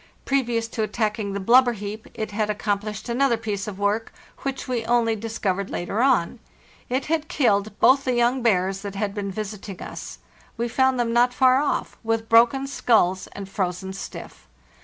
Previous to attack ing the blubber heap it had accomplished another piece of work, which we only discovered later on. It had killed both the young bears that had been visiting us; we found them not far off, with broken skulls and frozen stiff.